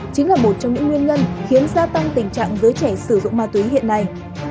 chính là một trong những nguyên nhân khiến gia tăng tình trạng giới trẻ sử dụng ma túy hiện nay